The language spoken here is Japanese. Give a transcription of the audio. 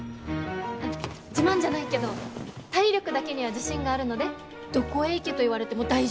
自慢じゃないけど体力だけには自信があるのでどこへ行けと言われても大丈夫です。